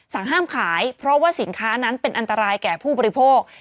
ห้ามขายเพราะว่าสินค้านั้นเป็นอันตรายแก่ผู้บริโภค